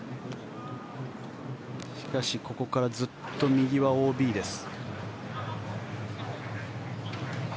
しかし、ここからずっと右はＯＢです。